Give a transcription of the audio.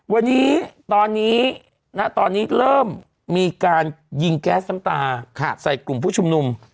วันนี้ตอนนี้ณตอนนี้เริ่มมีการยิงแก๊สน้ำตาใส่กลุ่มผู้ชุมนุม